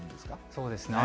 そうですね